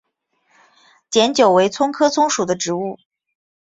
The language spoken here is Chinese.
碱韭为葱科葱属的植物。